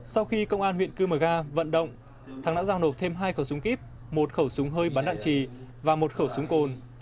sau khi công an huyện cư mở nga vận động thằng đã giao nộp thêm hai khẩu súng kíp một khẩu súng hơi bắn đạn trì và một khẩu súng cồn